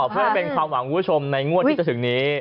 เพื่อเป็นความหวังคุณผู้ชมในงวดที่จะถึงนี้